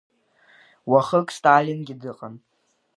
Уахык Сталингьы дыҟан.